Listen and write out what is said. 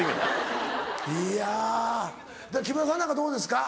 いや木村さんなんかどうですか？